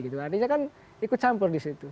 jadi dia kan ikut campur di situ